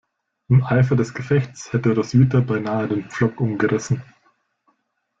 Im Eifer des Gefechts hätte Roswitha beinahe den Pflock umgerissen.